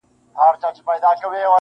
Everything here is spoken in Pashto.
سړي راوستی ښکاري تر خپله کوره,